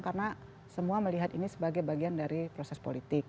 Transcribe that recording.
karena semua melihat ini sebagai bagian dari proses politik